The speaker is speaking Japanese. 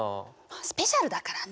スペシャルだからね。